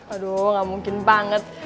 aduh gak mungkin banget